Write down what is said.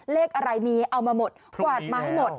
เลขอะไรมีเอามาหมดกวาดมาให้หมด